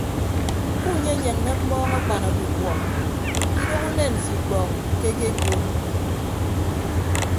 Kunyenyeññe mmọọñ akpan ọkukuọ ke idooho unen mfo ikpọọñ ke ekekuum.